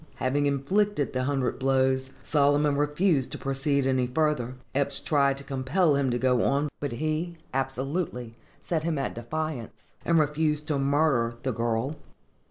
Having inflicted the hundred blows, Solomon refused to proceed any further. Eppes tried to compel him to go on, but he absolutely set him at defiance, and refused to murder the girl.